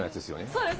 そうです。